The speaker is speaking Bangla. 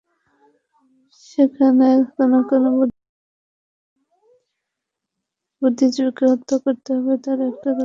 সেখানে কোন কোন বুদ্ধিজীবীকে হত্যা করতে হবে, তার একটা তালিকা আছে।